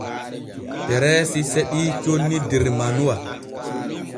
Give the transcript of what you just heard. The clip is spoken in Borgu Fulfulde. Tereesi seɗii conni der manuwa.